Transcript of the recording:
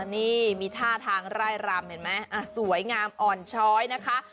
นี่มีท่าทางไร่รำเห็นไหมสวยงามอ่อนช้อยนะคะ